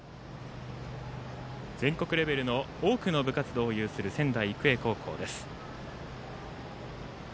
全国レベルの多くの部活動を有する仙台育英高校です。